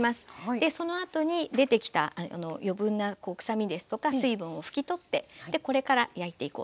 でそのあとに出てきた余分な臭みですとか水分を拭き取ってこれから焼いていこうと思います。